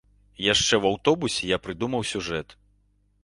Яшчэ ў аўтобусе, я прыдумаў сюжэт.